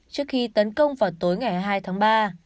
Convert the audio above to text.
trước khi tấn công vào tối ngày hai tháng ba